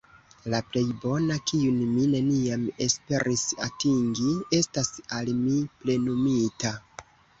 La plej bona, kiun mi neniam esperis atingi, estas al mi plenumita.